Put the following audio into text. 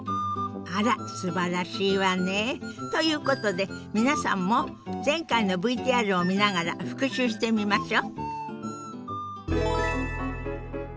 あらすばらしいわね。ということで皆さんも前回のＶＴＲを見ながら復習してみましょ。